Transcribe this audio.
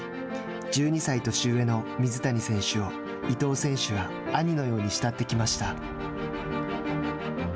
１２歳年上の水谷選手を伊藤選手は兄のように慕ってきました。